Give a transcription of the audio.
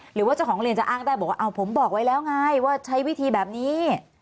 หรือว่าเจ้าของเรียนจะอ้างได้บอกว่าผมบอกไว้แล้วไงว่าใช้วิธีแบบนี้